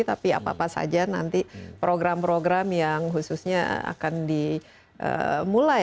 tapi apa apa saja nanti program program yang khususnya akan dimulai